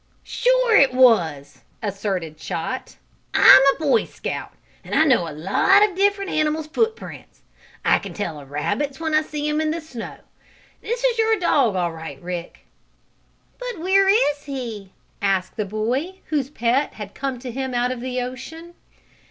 "Sure it was," asserted Chot. "I'm a Boy Scout, and I know a lot of different animals' footprints. I can tell a rabbit's when I see 'em in the snow. This is your dog all right, Rick!" "But where is he?" asked the boy, whose pet had come to him out of the ocean.